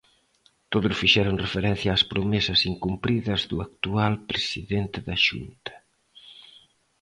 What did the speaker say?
Todos fixeron referencia ás promesas incumpridas do actual presidente da Xunta.